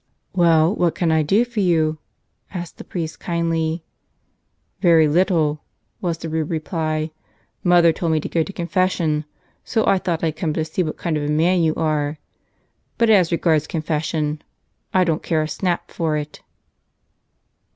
"Well, what can I do for you?" asked the priest kindly. "Very little," was the rude reply. "Mother told me to go to con¬ fession, so I thought I'd come to see what kind of a man you are. But as regards confession — I don't care a snap for that!"